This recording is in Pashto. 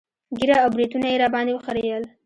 ږيره او برېتونه يې راباندې وخرييل.